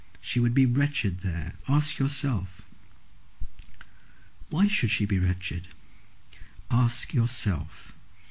She would be wretched there. Ask yourself." "Why should she be wretched?" "Ask yourself.